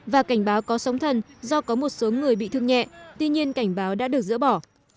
và cảnh báo có sóng thần do có một số người bị thương nhẹ tuy nhiên cảnh báo đã được dỡ bỏ